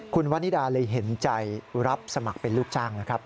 คุณวันนิดาเลยเห็นใจรับสมัครเป็นลูกจ้างนะครับ